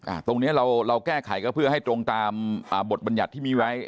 ตรงเนี้ยเราเราแก้ไขก็เพื่อให้ตรงตามอ่าบทบรรยัติที่มีไว้